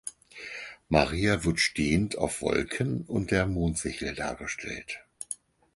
Maria wird stehend auf Wolken und der Mondsichel dargestellt.